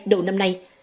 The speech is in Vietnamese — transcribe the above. đầu năm nay